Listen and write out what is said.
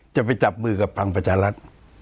จะไปจับมือกับพลังประชารัฐ